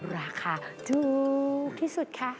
ราคาถูกที่สุดคะ